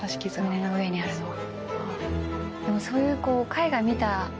胸の上にあるのは。